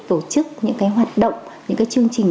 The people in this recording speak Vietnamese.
tổ chức những hoạt động những chương trình